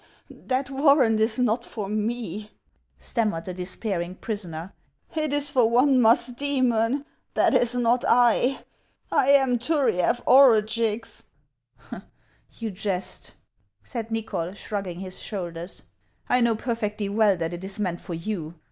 "That warrant is not for me," stammered the despairing prisoner ;" it is for one Musdcemon. That is not I ; I am Turiaf Orugix." " You jest," said Xychol, shrugging his shoulders. " 1 know perfectly well that it is meant for you.